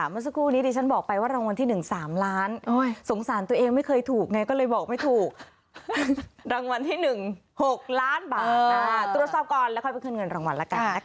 เมื่อสักครู่อันนี้ดิฉันบอกไปว่ารางวัลที่หนึ่ง๓ล้าน